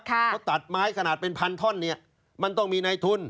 เขาตัดไม้ขนาดเป็นพันท่อนเนี่ยมันต้องมีในทุน